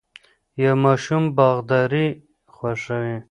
یو ماشوم باغداري خوښوي.